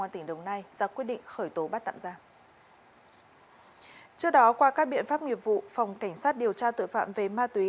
trước đó qua các biện pháp nghiệp vụ phòng cảnh sát điều tra tội phạm về ma túy